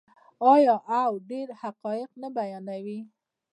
آیا او ډیر حقایق نه بیانوي؟